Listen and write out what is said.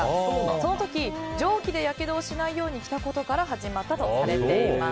その時、蒸気でやけどをしないように着たことから始まったとされています。